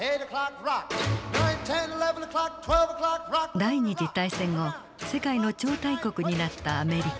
第二次大戦後世界の超大国になったアメリカ。